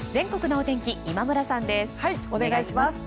お願いします。